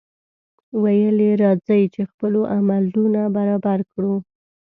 ویل یې راځئ! چې خپل عملونه برابر کړو.